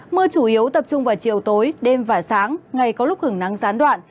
mưa chủ yếu tập trung vào chiều tối đêm và sáng ngày có lúc hứng nắng gián đoạn